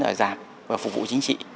ở giảm và phục vụ chính trị